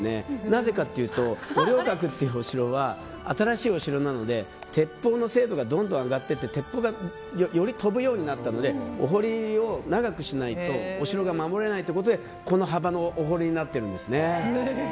なぜかというと五稜郭というお城は新しいお城なので鉄砲の精度がどんどん上がって鉄砲がより飛ぶようになったのでお堀を長くしないとお城が守れないということでこの幅のお堀になってるんです。